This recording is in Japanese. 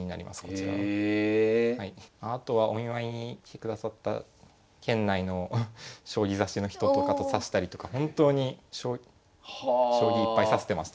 あとはお見舞いに来てくださった県内の将棋指しの人とかと指したりとか本当に将棋いっぱい指してましたね。